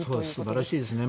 素晴らしいですね。